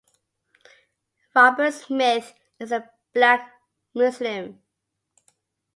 Robert Smith is a black Muslim